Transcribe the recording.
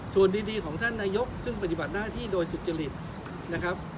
ส่วนดีของท่านนายกซึ่งปฏิบัติหน้าที่โดยสุจริตนะครับ